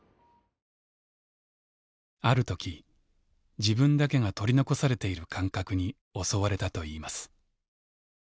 ある時自分だけが取り残されている感覚に襲われたといいます。